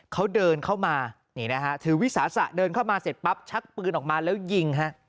เขาเดินเข้ามานี่นะฮะถือวิสาสะเดินเข้ามาเสร็จปั๊บชักปืนออกมาแล้วยิงฮะ